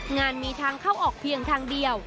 งานมีทางเข้าออกเพียงทางเดียว